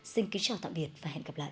xin kính chào tạm biệt và hẹn gặp lại